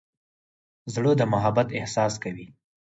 زړه د محبت احساس کوي.